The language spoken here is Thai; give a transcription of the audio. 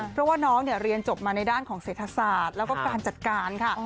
เพราะว่าน้องเรียนจบมาในด้านของเศรษฐศาสตร์แล้วก็การจัดการค่ะ